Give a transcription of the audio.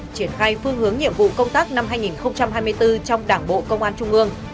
triển khai phương hướng nhiệm vụ công tác năm hai nghìn hai mươi bốn trong đảng bộ công an trung ương